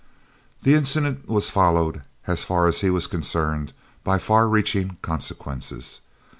This incident was followed, as far as he was concerned, by far reaching consequences.